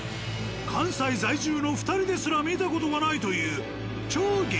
関西在住の２人ですら見た事がないという超激